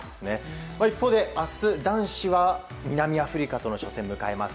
一方で明日、男子は南アフリカとの初戦を迎えます。